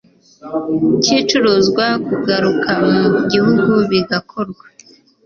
cy icuruzwa kugaruka mu gihugu bigakorwa